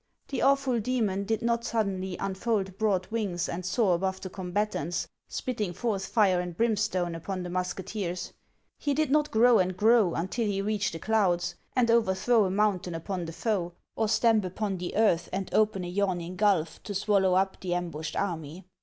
the awful demon did not suddenly unfold broad wings and soar above the combatants, spitting forth fire and brimstone upon the musketeers ; he did not grow and grow until he reached the clouds, and overthrow a moun tain upon the foe, or stamp upon the earth and open a yawning gulf to swallow up the ambushed army.